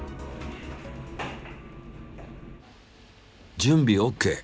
準備ＯＫ。